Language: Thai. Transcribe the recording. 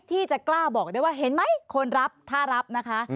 ที่จะกล้าบอกได้ว่าเห็นไหมคนรับถ้ารับนะคะ